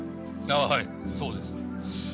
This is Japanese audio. ああはいそうです。